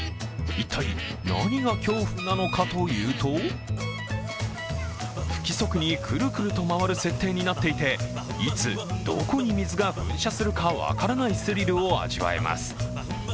一体、何が恐怖なのかというと不規則にくるくると回る設定になっていていつ、どこに水が噴射するか分からないスリルを味わえます。